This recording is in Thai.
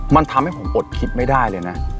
มันทำให้ผมอดคิดไม่ได้เลยนะ